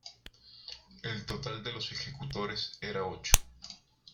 El total de los ejecutores era ocho.